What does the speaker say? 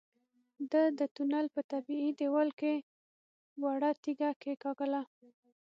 ده د تونل په طبيعي دېوال کې وړه تيږه کېکاږله.